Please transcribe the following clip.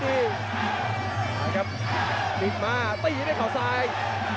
ดินมาตีดด้วยเขาซาย